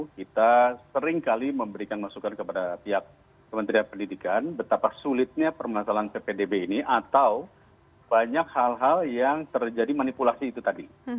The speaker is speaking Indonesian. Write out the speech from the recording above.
kita seringkali memberikan masukan kepada pihak kementerian pendidikan betapa sulitnya permasalahan ppdb ini atau banyak hal hal yang terjadi manipulasi itu tadi